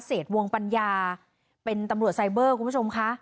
วงปัญญาเป็นตำรวจไซเบอร์คุณผู้ชมค่ะ